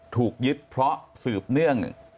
ถูกยึดเพราะสืบเนื่อง